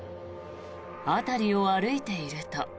辺りを歩いていると。